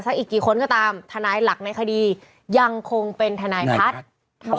อีกกี่คนก็ตามทนายหลักในคดียังคงเป็นทนายพัฒน์